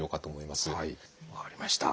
分かりました。